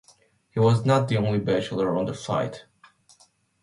He was not the only bachelor on the flight.